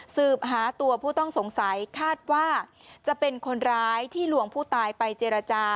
สืบหาตัวผู้ต้องสงสัยคาดว่าจะเป็นคนร้ายที่ลวงผู้ตายไปเจรจา